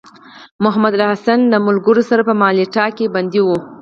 محمودالحسن له ملګرو سره په مالټا کې بندي و.